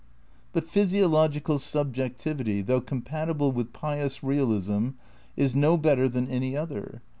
But physiological subjectivity, though compatible with pious realism, is no better than any other.